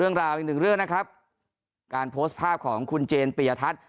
เรื่องราวอีกหนึ่งเรื่องนะครับการโพสต์ภาพของคุณเจนปียทัศน์